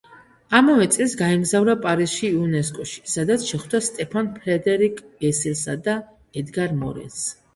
ამავე წელს გაემგზავრა პარიზში იუნესკოში, სადაც შეხვდა სტეფან ფრედერიკ ესელსა და ედგარ მორენს.